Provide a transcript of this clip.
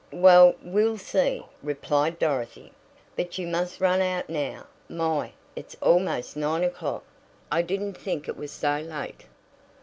"Well, we'll see," replied Dorothy. "But you must run out now. My! it's almost nine o'clock. I didn't think it was so late."